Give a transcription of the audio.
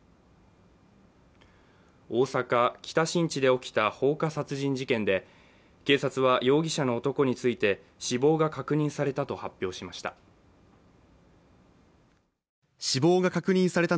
大阪・北新地で起きた放火殺人事件で警察は容疑者の男について死亡が確認されたと発表しました。